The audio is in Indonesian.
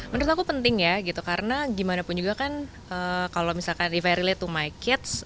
menurut aku penting ya karena gimana pun juga kan kalau misalkan if i relate to my kids